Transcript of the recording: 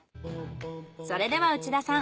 それでは内田さん